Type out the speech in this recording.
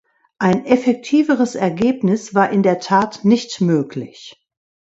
Ein effektiveres Ergebnis war in der Tat nicht möglich.